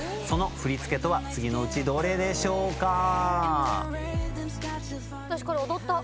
その振り付けとは次のうちどれでしょうか？